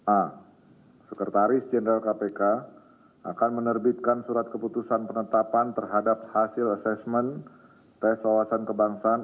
a sekretaris jenderal kpk akan menerbitkan surat keputusan penetapan terhadap hasil asesmen tes wawasan kebangsaan